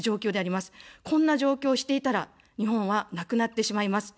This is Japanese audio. こんな状況をしていたら、日本はなくなってしまいます。